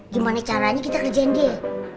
gimana caranya kita kerjain dia